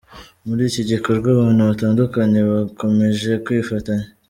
Muri iki gikorwa abantu batandukanye bakomeje kwifatanya